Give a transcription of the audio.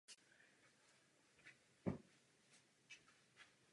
Budou chtít občanům Chartu nabídnout.